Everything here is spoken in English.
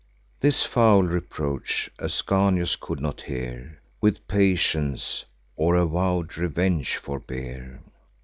This foul reproach Ascanius could not hear With patience, or a vow'd revenge forbear.